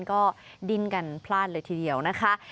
ก็ดิ้นกันพลาดเลยทีเดียวนะคะ